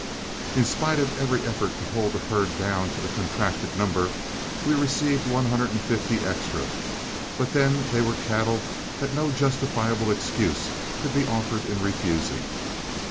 In spite of every effort to hold the herd down to the contracted number, we received one hundred and fifty extra; but then they were cattle that no justifiable excuse could be offered in refusing.